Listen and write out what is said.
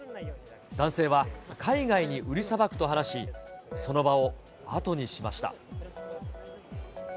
男性は海外に売りさばくと話し、その場を後にしました。